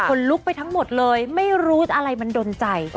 ลุกไปทั้งหมดเลยไม่รู้อะไรมันดนใจ